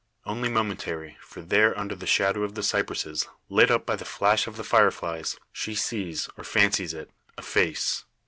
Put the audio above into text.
Only momentary; for there under the shadow of the cypresses, lit up by the flash of the fire flies, she sees, or fancies it, a face!